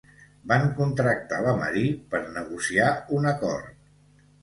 Van contractar la Marie per negociar un acord.